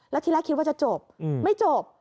แล้วทีแรกคิดว่าจะจบไม่จบ